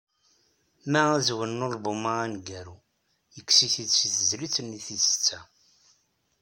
Ma azwel n ulbum-a aneggaru, yekkes-it-id seg tezlit-nni tis tesεa.